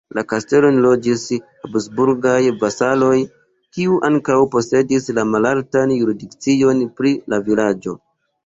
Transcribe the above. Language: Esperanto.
La kastelon loĝis habsburgaj vasaloj, kiuj ankaŭ posedis la malaltan jurisdikcion pri la vilaĝo.